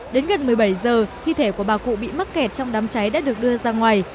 đến gần một mươi bảy giờ thi thể của bà cụ bị mắc kẹt trong đám cháy đã được đưa ra ngoài